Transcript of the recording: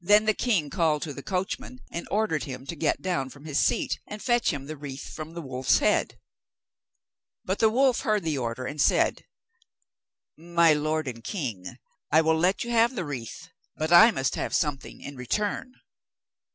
Then the king called to the coachman, and ordered him to get down from his seat and fetch him the wreath from the wolf's head. But the wolf heard the order and said: 'My lord and king, I will let you have the wreath, but I must have something in return.